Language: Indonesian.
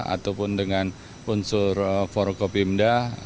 ataupun dengan unsur forkopimda